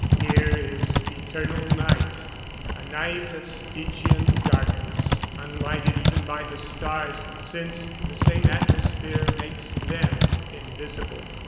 Here is eternal night a night of Stygian darkness, unlighted even by the stars, since the same atmosphere makes them invisible.